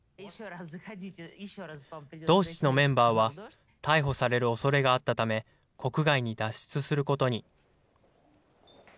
ドーシチのメンバーは逮捕されるおそれがあったため、国外に脱出することに。